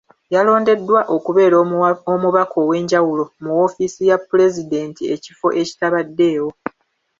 Yalondeddwa okubeera omubaka ow’enjawulo mu woofiisi ya Pulezidenti ekifo ekitabaddeewo.